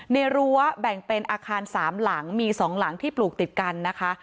รั้วแบ่งเป็นอาคาร๓หลังมี๒หลังที่ปลูกติดกันนะคะ